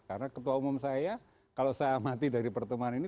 karena ketua umum saya kalau saya amati dari pertemuan ini